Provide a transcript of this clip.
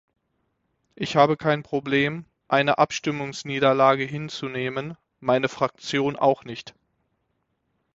Ich habe kein Problem, eine Abstimmungsniederlage hinzunehmen, meine Fraktion auch nicht.